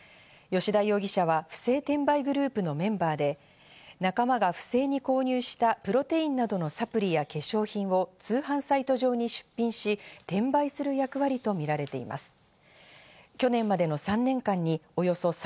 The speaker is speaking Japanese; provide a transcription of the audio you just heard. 吉田容疑者は不正転売グループのメンバーで仲間が不正に購入したプロティンなどのサプリや化粧品を通販サイト上に出品し、転売する役割とみられています。